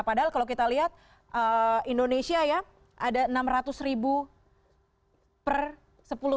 padahal kalau kita lihat indonesia ya ada enam ratus ribu per sepuluh